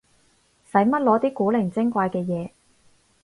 使乜攞啲古靈精怪嘅嘢